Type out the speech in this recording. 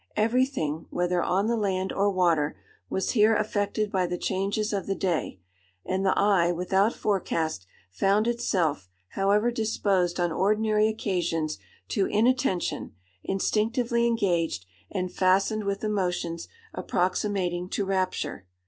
Every thing, whether on the land or water, was here affected by the changes of the day; and the eye, without forecast, found itself, however disposed on ordinary occasions to inattention, instinctively engaged, and fastened with emotions approximating to rapture.